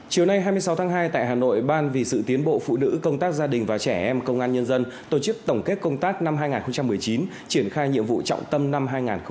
chiều nay hai mươi sáu tháng hai tại hà nội ban vì sự tiến bộ phụ nữ công tác gia đình và trẻ em công an nhân dân tổ chức tổng kết công tác năm hai nghìn một mươi chín triển khai nhiệm vụ trọng tâm năm hai nghìn hai mươi